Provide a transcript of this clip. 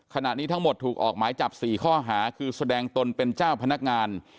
ขณะนี้ทั้งหมดถูกออกหมายจับ๔ข้อหาคือแสดงตนเป็นเจ้าพนักงาน